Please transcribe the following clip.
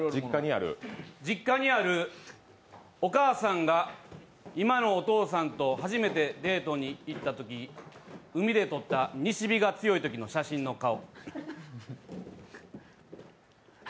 実家にあるお母さんが今のお父さんと初めてデートに行ったとき海で撮った西日が強いときの写真の顔。